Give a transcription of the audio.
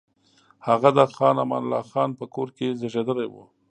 هغه د خان امان الله خان په کور کې زېږېدلی وو.